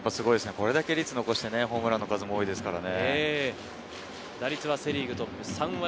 これだけ率を残して、ホームランの数も多いですからね。